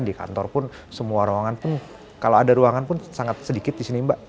di kantor pun semua ruangan pun kalau ada ruangan pun sangat sedikit di sini mbak